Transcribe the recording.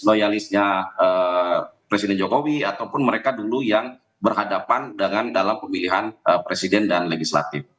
loyalisnya presiden jokowi ataupun mereka dulu yang berhadapan dengan dalam pemilihan presiden dan legislatif